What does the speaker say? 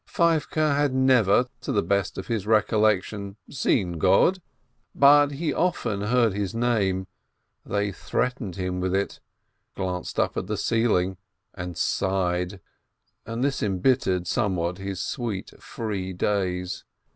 Feivke had never, to the best of his recollection, seen God, but he often heard His name, they threatened him with It, glanced at the ceiling, and sighed. And this em bittered somewhat his sweet, free days.